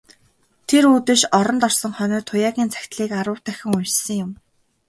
Тэр үдэш оронд орсон хойноо Туяагийн захидлыг арав дахин уншсан юм.